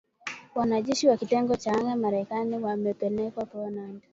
Wanajeshi wa kitengo cha anga Marekani wamepelekwa Poland.